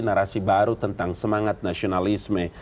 narasi baru tentang semangat nasionalisme